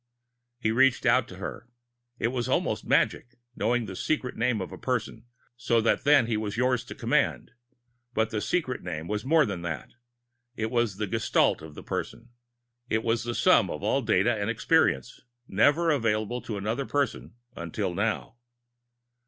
He reached out for her. It was almost magic knowing the "secret name" of a person, so that then he was yours to command. But the "secret name" was more than that. It was the gestalt of the person. It was the sum of all data and experience, never available to another person until now.